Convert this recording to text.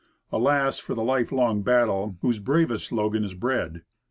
"Alas for the life long battle, whose bravest slogan is bread."